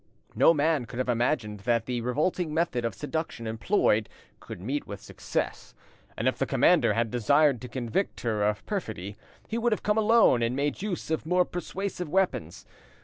No man could have imagined that the revolting method of seduction employed could meet with success, and if the commander had desired to convict her of perfidy he would have come alone and made use of more persuasive weapons.